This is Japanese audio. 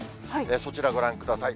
そちらご覧ください。